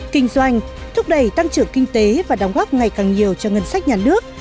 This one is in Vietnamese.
kinh doanh thúc đẩy tăng trưởng kinh tế và đóng góp ngày càng nhiều cho ngân sách nhà nước